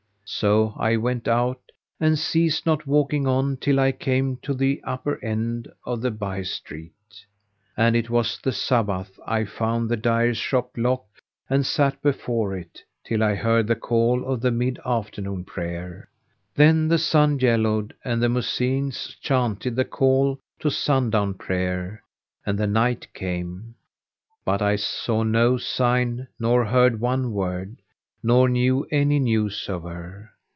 So I went out and ceased not walking on till I came to the upper end of the by street. As it was the Sabbath[FN#495] I found the dyer's shop locked and sat before it, till I heard the call to mid afternoon prayer. Then the sun yellowed and the Mu'ezzins[FN#496] chanted the call to sundown prayer and the night came; but I saw no sign nor heard one word, nor knew any news of her.